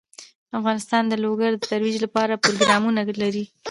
افغانستان د لوگر د ترویج لپاره پروګرامونه لري.